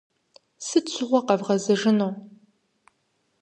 Сыт щыгъуэ къэвгъэзэжыну?